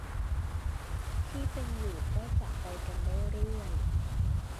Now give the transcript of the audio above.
ที่เป็นอยู่ก็จะไปกันได้เรื่อย